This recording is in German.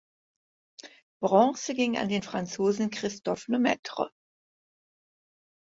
Bronze ging an den Franzosen Christophe Lemaitre.